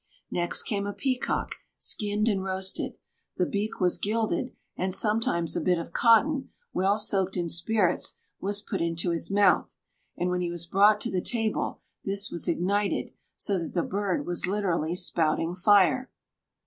Next came a peacock, skinned and roasted. The beak was gilded, and sometimes a bit of cotton, well soaked in spirits, was put into his mouth, and when he was brought to the table this was ignited, so that the bird was literally spouting fire.